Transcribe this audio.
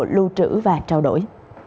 lưu trữ và trao đổi